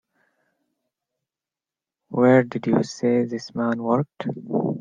Where did you say this man worked?